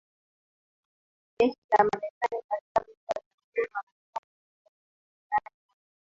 jeshi la Marekani katika vita ya uhuru wa Marekani dhidi ya Uingereza hadi mwaka